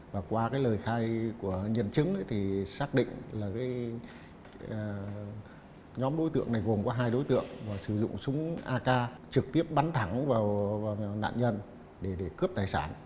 và qua cái lời khai của nhân chứng thì xác định là nhóm đối tượng này gồm có hai đối tượng sử dụng súng ak trực tiếp bắn thẳng vào nạn nhân để cướp tài sản